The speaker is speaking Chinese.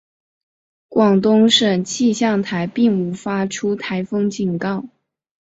广东省气象台并无发出台风警告。